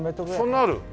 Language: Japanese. そんなある？